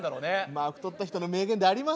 まあ太った人の名言でありますからね。